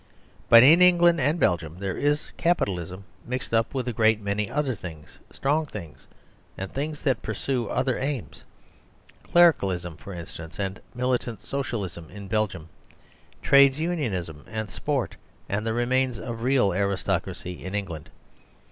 But in England and Belgium there is Capitalism mixed up with a great many other things, strong things and things that pursue other aims; Clericalism, for instance, and militant Socialism in Belgium; Trades Unionism and sport and the remains of real aristocracy in England.